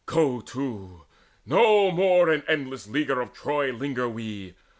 Go to, no more in endless leaguer of Troy Linger we.